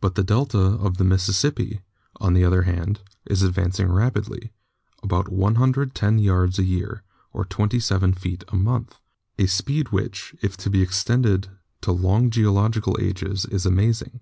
But the delta of the Mississippi, on the other hand, is advancing rapidly, about no yards a year, or 27 feet a month, a speed which, if it be extended to long geological ages, is amazing.